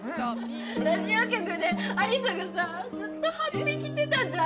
ラジオ局で亜里沙がさぁずっとはっぴ着てたじゃん。